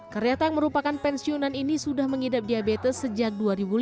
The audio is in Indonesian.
karyata yang merupakan pensiunan ini sudah mengidap diabetes sejak dua ribu lima belas